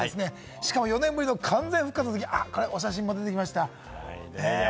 しかも４年前からの完全復活、これ、お写真が出てきました。